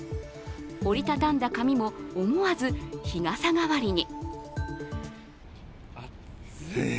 折り畳んだ紙も思わず日傘代わりに。